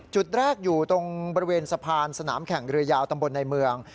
จุดแรกอยู่ตรงบริเวณสะพานสนามแข่งเรือยาวตำบลในเมือง